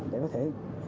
để có thể